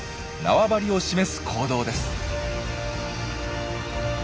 縄張りを示す行動です。